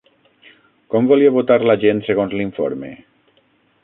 Com volia votar la gent segons l'informe?